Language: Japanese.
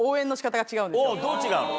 どう違うの？